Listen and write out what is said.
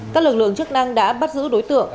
các lực lượng chức năng đã bắt giữ đối tượng